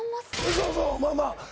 そうそう、まあまあ。